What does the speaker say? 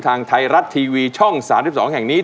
ทางไทยรัฐทีวีช่อง๓๒แห่งนี้